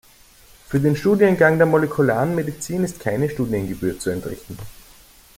Für den Studiengang der Molekularen Medizin ist keine Studiengebühr zu entrichten.